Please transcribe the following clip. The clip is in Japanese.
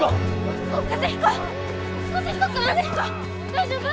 大丈夫？